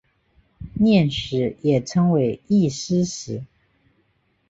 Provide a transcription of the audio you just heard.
念食也称为意思食。